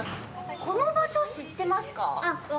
この場所知ってますか？